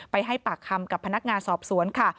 ให้ปากคำกับพนักงานสอบสวนค่ะ